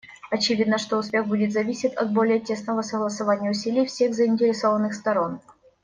Очевидно, что успех будет зависеть от более тесного согласования усилий всех заинтересованных сторон.